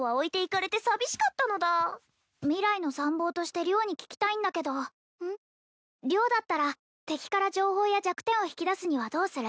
未来の参謀として良に聞きたいんだけど良だったら敵から情報や弱点を引き出すにはどうする？